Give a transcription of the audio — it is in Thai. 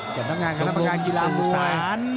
จำนักงานกับน้ำประกาศกีฬาบุวัย